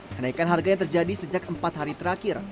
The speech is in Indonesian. kenaikan harga yang terjadi sejak empat hari terakhir